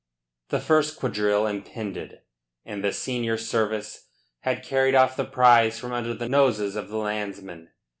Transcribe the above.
The first quadrille impended, and the senior service had carried off the prize from under the noses of the landsmen.